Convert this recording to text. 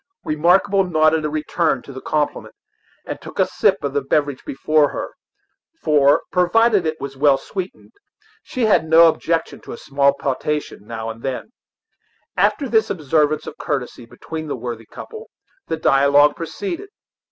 Remarkable nodded a return to the compliment, and took a sip of the beverage before her; for, provided it was well sweetened, she had no objection to a small potation now and then, After this observance of courtesy between the worthy couple, the dialogue proceeded.